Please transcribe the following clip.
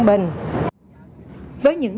bình với những